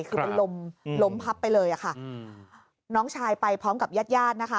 คือเป็นลมล้มพับไปเลยอะค่ะน้องชายไปพร้อมกับญาติญาตินะคะ